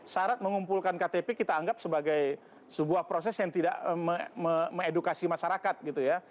syarat mengumpulkan ktp kita anggap sebagai sebuah proses yang tidak mengedukasi masyarakat gitu ya